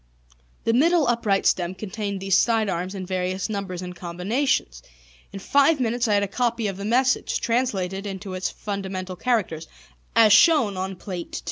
The middle upright stem contained these side arms in various numbers and combinations. In five minutes I had a copy of the message, translated into its fundamental characters, as shown on Plate II.